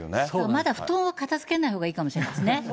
まだ布団は片づけないほうがいいからもしれないですね。